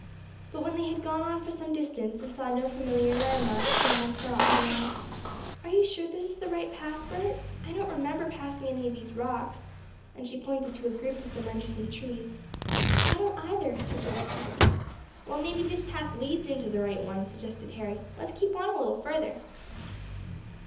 But when they had gone on for some distance, and saw no familiar landmarks, Nan stopped and asked: "Are you sure this is the right path, Bert? I don't remember passing any of these rocks," and she pointed to a group of them under some trees. "I don't, either," said Dorothy. "Well, maybe this path leads into the right one," suggested Harry. "Let's keep on a little farther."